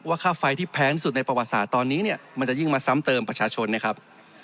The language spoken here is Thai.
ค่าไฟที่แพงสุดในประวัติศาสตร์ตอนนี้เนี่ยมันจะยิ่งมาซ้ำเติมประชาชนนะครับ